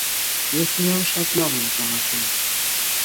Ես նրան շատ լավ եմ ճանաչում: